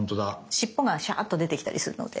尻尾がシャーッと出てきたりするので。